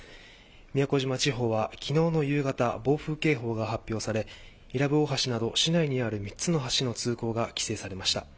宮古島地方は昨日の夕方暴風警報が発表され伊良部大橋など３つの橋の通行が規制されました。